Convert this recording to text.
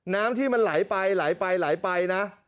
น้ำที่มันไหลไปนะ